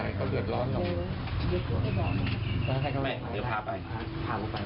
ดีอ่ะเปิดประตูลูก